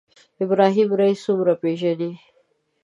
ابراهیم رئیسي څومره پېژنئ